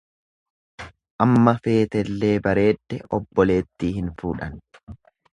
Amma feetellee bareedde obboleetti hin fuudhan.